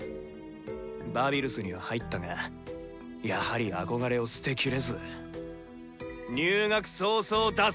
バビルスには入ったがやはり憧れを捨てきれず入学早々脱走！